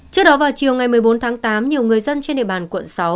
trước đó vào chiều ngày một mươi bốn tháng tám nhiều người dân trên địa bàn quận sáu